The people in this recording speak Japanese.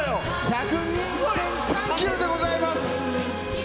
１０２．３キロでございます。